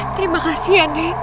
terima kasih ya nek